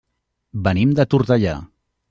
Venim de Tortellà.